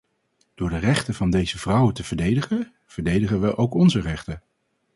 Door de rechten van deze vrouwen te verdedigen, verdedigen we ook onze rechten.